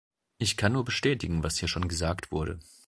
Ich kann nur bestätigen, was hier schon gesagt wurde.